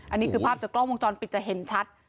อันนี้คือภาพจากกล้องวงจรปิดจะเห็นชัด